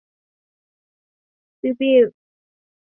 节目中部分已绝种生物以电脑动画呈现。